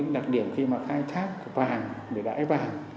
đặc điểm khi mà khai thác vàng để đải vàng